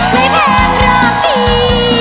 ไม่แพงหรอกพี่